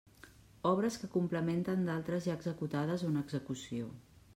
Obres que complementen d'altres ja executades o en execució.